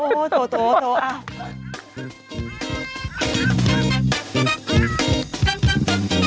โอ้โธโธโธโอ้โธอ้าว